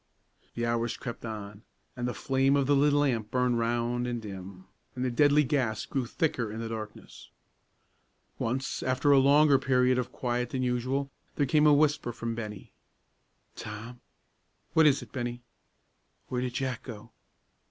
The hours crept on, and the flame of the little lamp burned round and dim, and the deadly gas grew thicker in the darkness. Once, after a longer period of quiet than usual, there came a whisper from Bennie. "Tom!" "What is it, Bennie?" "Where did Jack go?"